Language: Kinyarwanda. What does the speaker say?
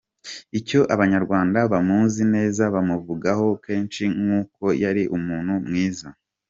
Icyo abanyarwanda bamuzi neza bamuvugaho kenshi n’uko yari umuntu mwiza.